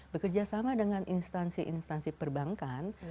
bekerja sama dengan instansi instansi perbankan